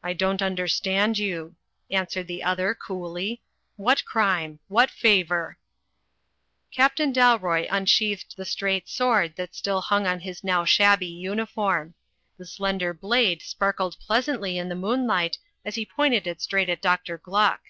"I don't understand you," answered the other coolly, "what crime? What favour?" Captain Dalroy unsheathed the straight sword that still hung on his now shabby uniform. The slender blade sparkled splendidly in the moonlight as he pointed it straight at Dr. Gluck.